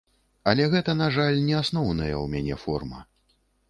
Але гэта, на жаль, не асноўная ў мяне форма.